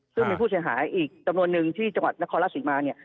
ซึ่งมีผู้เสียหายอีกจำนวนนึงที่จังหวัดนครราชศรีมาเนี่ย